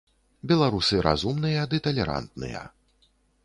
Беларусы разумныя ды талерантныя.